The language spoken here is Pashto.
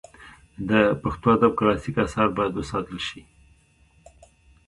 د پښتو ادب کلاسیک آثار باید وساتل سي.